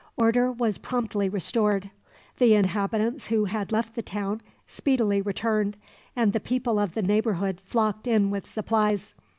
Order was promptly restored. The inhabitants who had left the town speedily returned, and the people of the neighborhood flocked in with supplies.